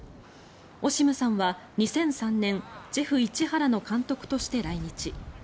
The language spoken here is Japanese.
オシムさんは２００３年ジェフ市原の監督として来日。